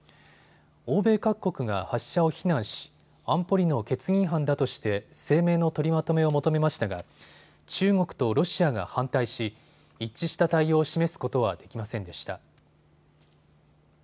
欧米各国が発射を非難し、安保理の決議違反だとして声明の取りまとめを求めましたが中国とロシアが反対し、一致した対応を示すことはできませんでした。